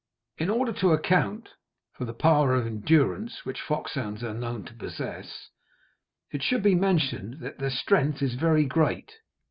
In order to account for the power of endurance which foxhounds are known to possess, it should be mentioned that their strength is very great.